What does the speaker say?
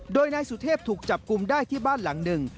โดยนายสุเทพถูกจับกลุ่มได้ที่บ้านหลังหนึ่ง